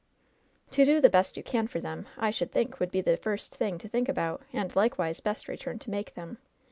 '^ "To do the best you can for them, I should think would be the first thing to think about, and, likewise, best return to make them.